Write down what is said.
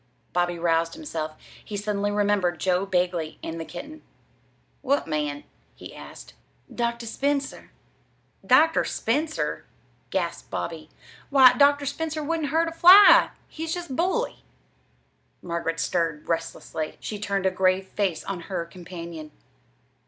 Bobby roused himself. He suddenly remembered Joe Bagley and the kitten. "What man?" he asked. "Dr. Spencer." "Dr. Spencer!" gasped Bobby. "Why, Dr. Spencer wouldn't hurt a fly. He's just bully!" Margaret stirred restlessly. She turned a grave face on her companion.